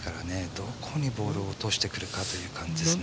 どこにボールを落としてくるかという感じですね。